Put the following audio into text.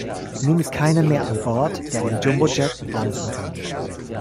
Nun ist keiner mehr an Bord, der den Jumbo-Jet landen kann.